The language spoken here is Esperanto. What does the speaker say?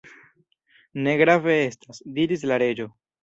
"Ne grave estas," diris la Reĝo.